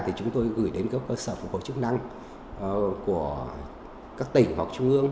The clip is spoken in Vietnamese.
thì chúng tôi gửi đến các cơ sở phục hồi chức năng của các tỉnh hoặc trung ương